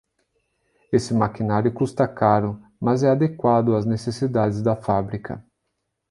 Esse maquinário custa caro, mas é adequado às necessidades da fábrica